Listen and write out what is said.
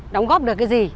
đóng góp được cái gì